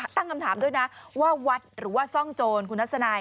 ตั้งคำถามด้วยนะว่าวัดหรือว่าซ่องโจรคุณทัศนัย